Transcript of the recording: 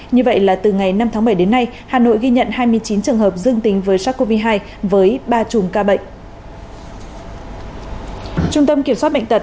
như vậy là từ ngày năm tháng bảy đến nay hà nội ghi nhận hai mươi chín trường hợp dương tính với sars cov hai với ba chùm ca bệnh